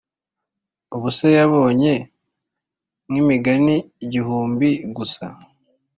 ubuse yabonye nkimigani gihumbi gusa